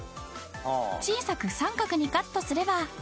［小さく三角にカットすれば］